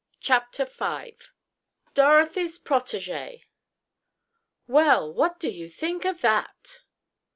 CHAPTER V DOROTHY'S PROTEGE "Well, what do you think of that!"